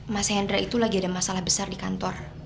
mas hendra itu lagi ada masalah besar di kantor